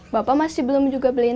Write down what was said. bapak masih belum juga beliin